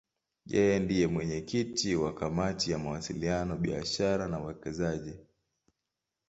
Yeye ndiye mwenyekiti wa Kamati ya Mawasiliano, Biashara na Uwekezaji.